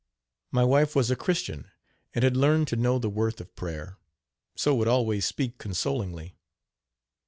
My wife was a Christian, and had learned to know the worth of prayer, so would always speak consolingly.